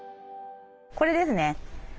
これですね。